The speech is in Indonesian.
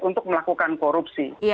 untuk melakukan korupsi